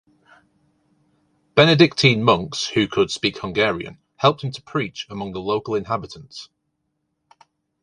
Benedictine monks who could speak Hungarian helped him to preach among the local inhabitants.